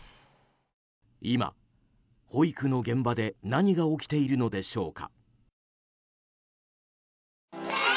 今、保育の現場で何が起きているのでしょうか。